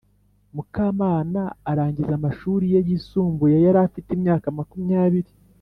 Mukamana arangiza amashuri ye yi sumbuye yarafite imyaka makumyabiri